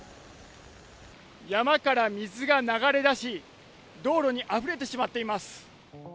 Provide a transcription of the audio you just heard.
山から水が流れ出し道路に、あふれてしまっています。